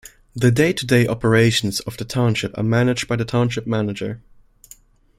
The day-to-day operations of the township are managed by the Township Manager.